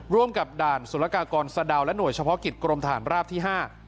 ร่วมกับด่านสุรกากรสะดาวและห่วยเฉพาะกิจกรมฐานราบที่๕